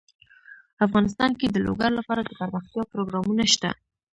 افغانستان کې د لوگر لپاره دپرمختیا پروګرامونه شته.